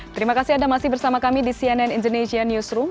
terima kasih anda masih bersama kami di cnn indonesia newsroom